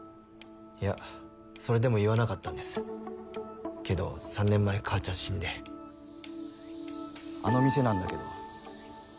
いやそれでも言わなかったんですけど３年前母ちゃん死んであの店なんだけど